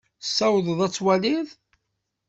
Tsawḍeḍ ad twaliḍ?